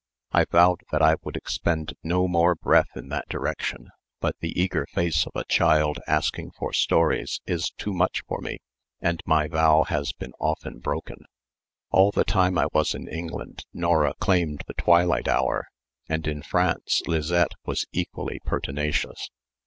I vowed that I would expend no more breath in that direction, but the eager face of a child asking for stories is too much for me, and my vow has been often broken. All the time I was in England Nora claimed the twilight hour, and, in France, Lisette was equally pertinacious.